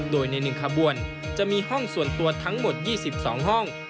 โดยใน๑ขบวนจะมีห้องส่วนตัวทั้งหมด๒๒ห้อง